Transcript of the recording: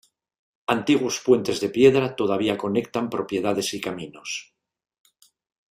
Antiguos puentes de piedra todavía conectan propiedades y caminos.